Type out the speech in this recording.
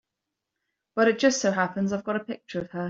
But it just so happens I've got a picture of her.